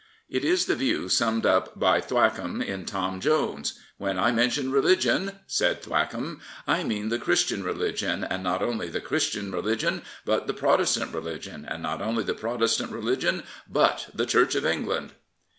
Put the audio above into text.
It is the view summed up by Thwackum in Tom Jones, When I mention re ligion," said Thwackum, I mean the Christian religion, and not only the Christian religion, but the Protestant religion, and not only the Protestant religion, but the Church of England."